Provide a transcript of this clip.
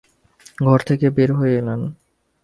ঘর থেকে বের হয়ে এলেন।